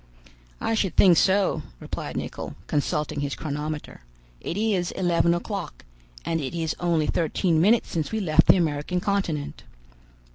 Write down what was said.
"I should think so," replied Nicholl, consulting his chronometer; "it is eleven o'clock, and it is only thirteen minutes since we left the American continent."